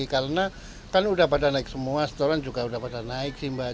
karena kan udah pada naik semua setoran juga udah pada naik sih mbak